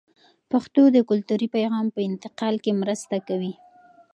پښتو د کلتوري پیغام په انتقال کې مرسته کوي.